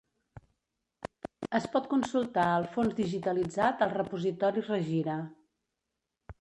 Es pot consultar el fons digitalitzat al repositori Regira.